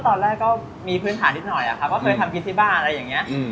ตอนแรกก็มีพื้นฐานนิดหน่อยอะครับก็เคยทำกินที่บ้านอะไรอย่างนี้